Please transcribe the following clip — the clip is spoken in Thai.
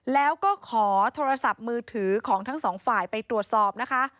แล้วก็ขอโทรศัพท์มือถือของทั้งสองฝ่ายไปตรวจสอบนะคะ